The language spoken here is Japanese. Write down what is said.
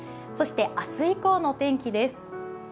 そして明日以降の天気です。